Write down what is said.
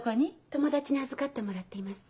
友達に預かってもらっています。